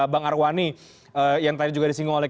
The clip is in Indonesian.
bang arwani yang tadi juga disinggung oleh